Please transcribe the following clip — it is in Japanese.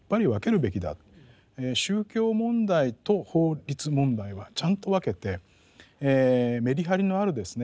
宗教問題と法律問題はちゃんと分けてメリハリのあるですね